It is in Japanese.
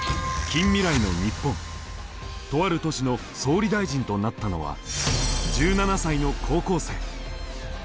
とある都市の総理大臣となったのは１７才の高校生。